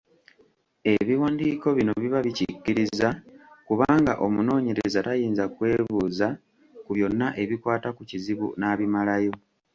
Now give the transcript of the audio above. Ebiwandiiko bino biba bikikkiriza kubanga omunoonyereza tayinza kwebuuza ku byonna ebikwata ku kizibu n’abimalayo.